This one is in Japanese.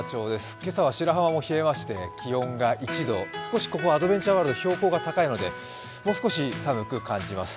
今朝は白浜も冷えまして気温が１度、少しアドベンチャーワールドは標高が高いのでもう少し寒く感じます。